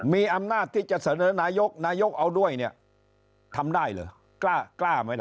มีอำนาจที่จะเสนอนายกนายกเอาด้วยเนี่ยทำได้เหรอกล้าไหมล่ะ